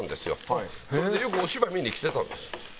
それでよくお芝居見に来てたんです。